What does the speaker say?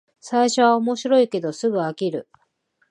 最初は面白いけどすぐ飽きる